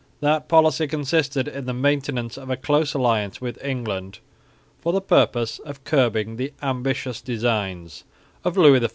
That policy consisted in the maintenance of a close alliance with England for the purpose of curbing the ambitious designs of Louis XIV.